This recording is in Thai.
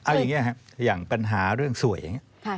เอาอย่างนี้ครับอย่างปัญหาเรื่องสวยอย่างนี้